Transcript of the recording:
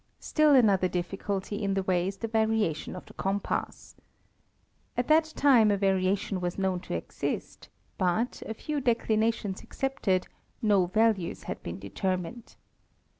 Still another difficulty in the way is the variation of the compass. At that time a vari tion was known to exist, but, a few declinations excepted, no values had been determined.